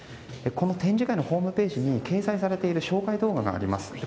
この展示会のホームページに掲載されている紹介動画があります。